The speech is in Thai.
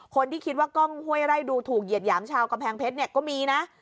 คนที่คิดว่ากล้องห้วยไร่ดูถูกเหยียดหยามชาวกำแพงเพชรเนี่ยก็มีนะ